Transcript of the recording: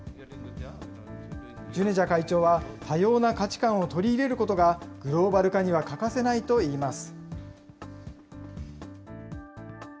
ジュネジャ会長は、多様な価値観を取り入れることが、グローバル化には欠かせないといいます。